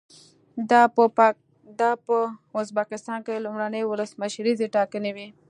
دا په ازبکستان کې لومړنۍ ولسمشریزې ټاکنې وې.